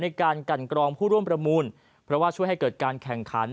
กันกรองผู้ร่วมประมูลเพราะว่าช่วยให้เกิดการแข่งขัน